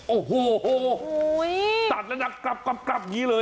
โอ้โหตัดแล้วนะกลับอย่างนี้เลย